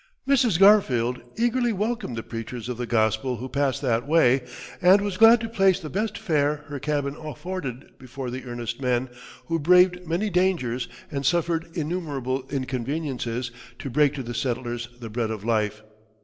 Mrs. Garfield eagerly welcomed the preachers of the gospel who passed that way, and was glad to place the best fare her cabin afforded before the earnest men, who braved many dangers, and suffered innumerable inconveniences, to break to the settlers the Bread of life.